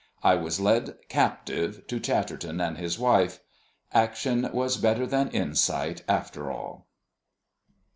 I was led captive to Chatterton and his wife. Action was better than insight after all.